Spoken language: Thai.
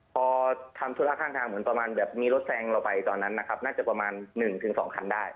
พอทำธุระข้างทางเหมือนประมาณแบบมีรถแซงเราไปตอนนั้นนะครับน่าจะประมาณ๑๒คันได้